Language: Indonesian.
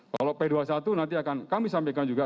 kalau p dua puluh satu nanti akan kami sampaikan juga